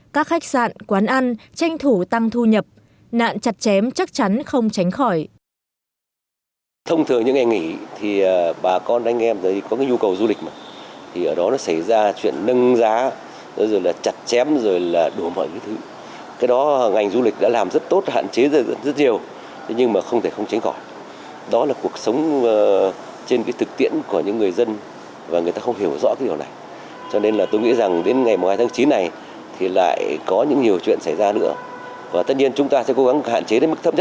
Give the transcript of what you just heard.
các khách sạn quán ăn tranh thủ tăng thu nhập nạn chặt chém chắc chắn không tránh khỏi